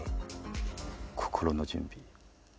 心の準備。